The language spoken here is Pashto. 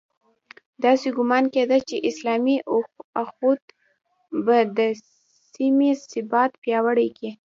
داسې ګومان کېده چې اسلامي اُخوت به د سیمې ثبات پیاوړی کړي.